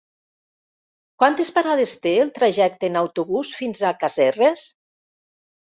Quantes parades té el trajecte en autobús fins a Casserres?